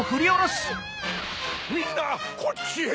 ・みんなこっちへ。